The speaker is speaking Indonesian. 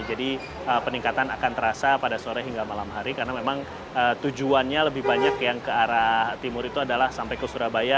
jadi peningkatan akan terasa pada sore hingga malam hari karena memang tujuannya lebih banyak yang ke arah timur itu adalah sampai ke surabaya